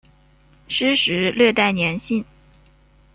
湿时略带黏性。